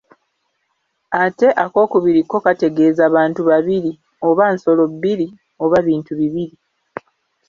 Ate akookubiri ko kategeeza bantu babiri, oba nsolo bbiri, oba bintu bibiri.